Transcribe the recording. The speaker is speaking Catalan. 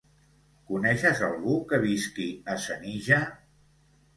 Coneixes algú que visqui a Senija?